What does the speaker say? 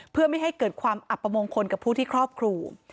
เพื่อไม่ให้เกิดความอับประมงคลกับผู้ที่ครอบครู